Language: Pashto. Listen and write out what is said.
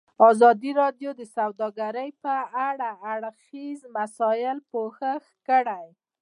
ازادي راډیو د سوداګري په اړه د هر اړخیزو مسایلو پوښښ کړی.